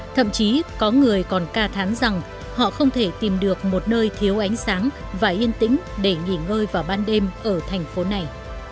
thậm chí có người còn ca thán rằng họ không thể tìm được một nơi thiếu ánh sáng và yên tĩnh để nghỉ ngơi vào ban đêm ở thành phố này